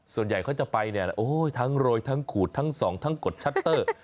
ส่วนใหญ่เขาจะไปเนี่ยโอ้ยทั้งโรยทั้งขูดทั้งสองทั้งกดชัตเตอร์